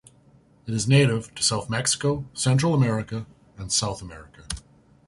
It is native to S Mexico, Central America, and South America.